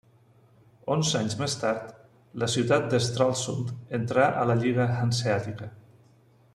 Onze anys més tard, la ciutat de Stralsund entra a la Lliga Hanseàtica.